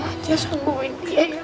adi sanggupin dia ya pak